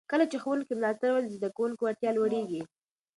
کله چې ښوونکي ملاتړ ولري، د زده کوونکو وړتیا لوړېږي.